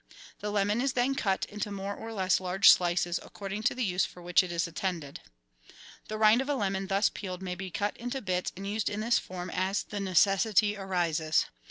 The lemon is then cut into more or less large slices, according to the use for which it is intended. The rind of a lemon thus peeled may be cut into bits and used in this form as the necessity arises.